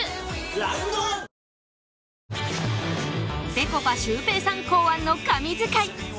ぺこぱシュウペイさん考案の神図解